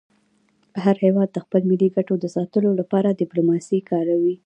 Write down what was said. هر هېواد د خپلو ملي ګټو د ساتلو لپاره ډيپلوماسي کاروي.